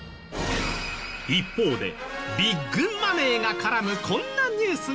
一方でビッグマネーが絡むこんなニュースが今話題に。